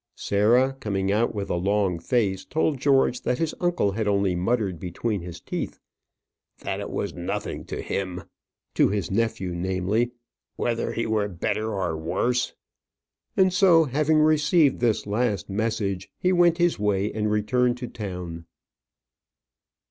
Sarah, coming out with a long face, told George that his uncle had only muttered between his teeth "That it was nothing to him" to his nephew, namely "whether he were better or worse." And so, having received this last message, he went his way, and returned to town.